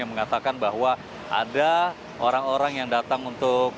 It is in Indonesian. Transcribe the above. yang mengatakan bahwa ada orang orang yang berkantor di lantai enam belas